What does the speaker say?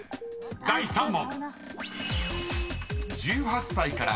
［第３問］